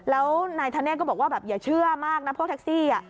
แล้วนายธเนธก็บอกว่าแบบอย่าเชื่อมากนะพวกแท็กซี่